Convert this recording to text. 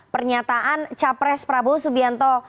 pernyataan capres prabowo subianto